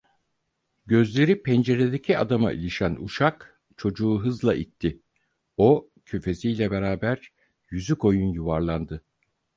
Gözleri penceredeki adama ilişen uşak çocuğu hızla itti; o, küfesiyle beraber yüzükoyun yuvarlandı.